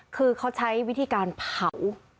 คือเขาใช้วิธีการเผา